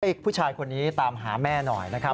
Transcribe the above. อีกผู้ชายคนนี้ตามหาแม่หน่อยนะครับ